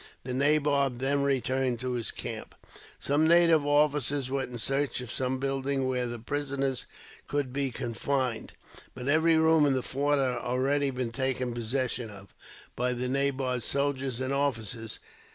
The nabob then returned to his camp. Some native officers went in search of some building where the prisoners could be confined, but every room in the fort had already been taken possession of, by the nabob's soldiers and officers.